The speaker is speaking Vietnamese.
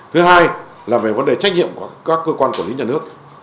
thứ hai là về vấn đề trách nhiệm của các cơ quan quản lý nhà nước